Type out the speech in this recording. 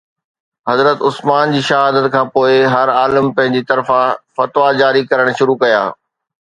حضرت عثمان جي شهادت کان پوءِ هر عالم پنهنجي طرفان فتويٰ جاري ڪرڻ شروع ڪيا